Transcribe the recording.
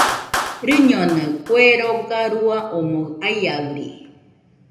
Rɨñonɨaɨ, kue roga rua omoɨ aiaɨri.